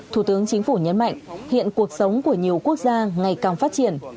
thủ tướng chính phủ nhấn mạnh hiện cuộc sống của nhiều quốc gia ngày càng phát triển